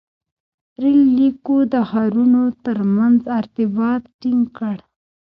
• رېل لیکو د ښارونو تر منځ ارتباط ټینګ کړ.